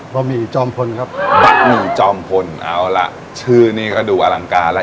หมี่จอมพลครับบะหมี่จอมพลเอาล่ะชื่อนี่ก็ดูอลังการแล้ว